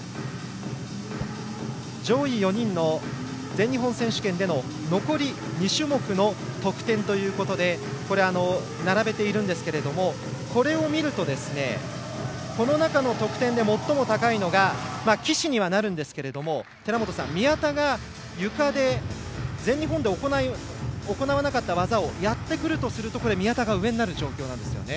上位４人の全日本選手権での残り２種目の得点ということで並べているんですけれどもこれを見るとこの中の得点で最も高いのが岸にはなるんですが寺本さん、宮田がゆかで全日本で行わなかった技をやってくると宮田が上になる状況です。